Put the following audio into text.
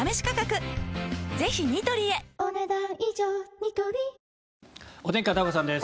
ニトリお天気、片岡さんです。